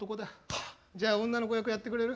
はっ！じゃあ女の子役やってくれる？